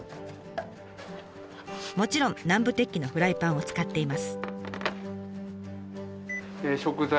もちろん南部鉄器のフライパンを使っています。